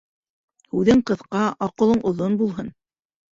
Һүҙең ҡыҫҡа, аҡылың оҙон булһын.